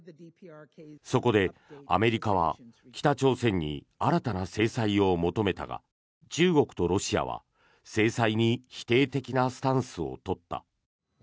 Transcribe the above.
そこでアメリカは北朝鮮に新たな制裁を求めたが中国とロシアは、制裁に否定的なスタンスを取った。